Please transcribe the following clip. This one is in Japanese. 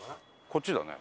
こっちだね。